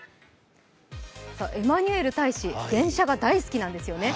エマニュエル大使電車が大好きなんですよね。